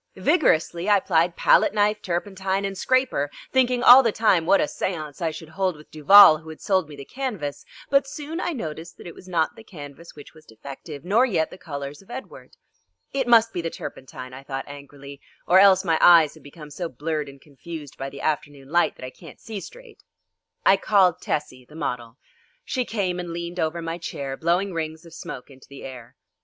Vigorously I plied palette knife, turpentine, and scraper, thinking all the time what a séance I should hold with Duval who had sold me the canvas; but soon I noticed that it was not the canvas which was defective nor yet the colours of Edward. "It must be the turpentine," I thought angrily, "or else my eyes have become so blurred and confused by the afternoon light that I can't see straight." I called Tessie, the model. She came and leaned over my chair blowing rings of smoke into the air.